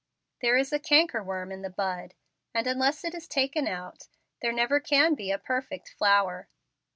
There is a canker worm in the bud, and unless it is taken out, there never can be a perfect flower.